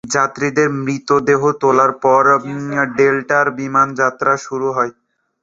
যাত্রীদের মৃতদেহ তোলার পর ডেল্টার বিমান যাত্রা শুরু হয়।